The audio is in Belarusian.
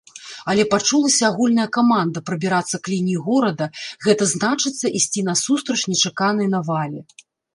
Але пачулася агульная каманда прабірацца к лініі горада, гэта значыцца ісці насустрач нечаканай навале.